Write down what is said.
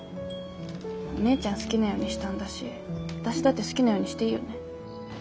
お姉ちゃん好きなようにしたんだし私だって好きなようにしていいよね？